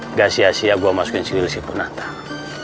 nggak sia sia gua masukin siwil siwil pun nantang